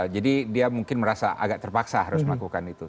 dia mungkin merasa agak terpaksa harus melakukan itu